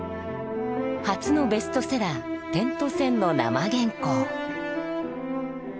初のベストセラー「点と線」の生原稿。